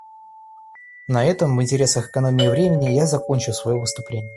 На этом, в интересах экономии времени, я закончу свое выступление.